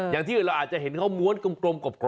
อย่างที่เราอาจจะเห็นเขาม้วนกลมกลม